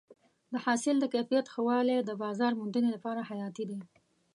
د حاصل د کیفیت ښه والی د بازار موندنې لپاره حیاتي دی.